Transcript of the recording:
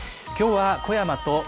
きょうは小山と。